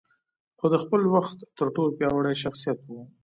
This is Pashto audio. خو د خپل وخت تر ټولو پياوړی شخصيت و.